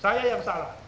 saya yang salah